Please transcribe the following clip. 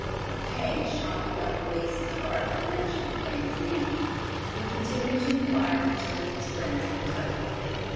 A pang shot through Dr. Lacey's heart at the mention of Fanny's name, but he continued to inquire concerning his friends in Kentucky.